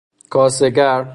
کاسه گر